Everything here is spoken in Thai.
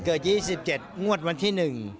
เกิด๒๗งวดวันที่๑